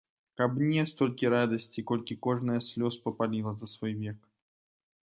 Каб мне столькі радасці, колькі кожная слёз папаліла за свой век.